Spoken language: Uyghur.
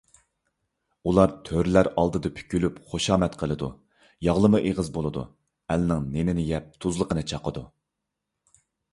ئۇلار تۆرىلەر ئالدىدا پۈكۈلۈپ، خۇشامەت قىلىدۇ، ياغلىما ئېغىز بولىدۇ، ئەلنىڭ نېنىنى يەپ، تۇزلۇقىنى چاقىدۇ.